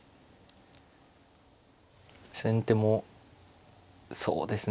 先手もそうですね